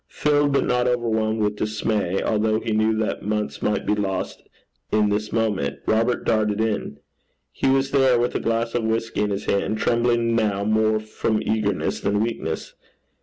Filled but not overwhelmed with dismay, although he knew that months might be lost in this one moment, Robert darted in. He was there, with a glass of whisky in his hand, trembling now more from eagerness than weakness.